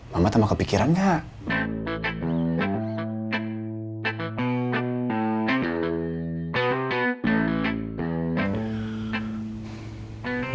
mama tambah kepikiran gak